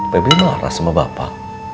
febri marah sama bapak